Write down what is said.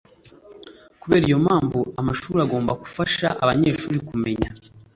kubera iyo mpamvu amashuri agomba gufasha abanyeshuri kumenya